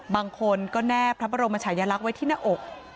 บางคนก็แนบพระบรมชายลักษณ์ไว้ที่หน้าอก